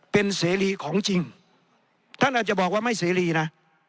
เป็นเสรีของจริงท่านอาจจะบอกว่าไม่เสรีนะ